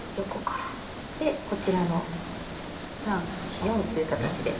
でこちらの３４という形で。